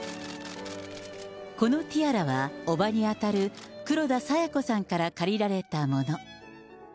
このティアラは、叔母に当たる黒田清子さんから借りられたもの。